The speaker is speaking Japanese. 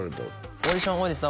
オーディション多いですね